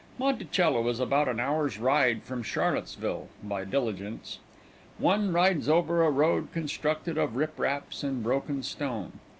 Monticello is about an hour's ride from Charlottesville, by diligence. One rides over a road constructed of rip raps and broken stone.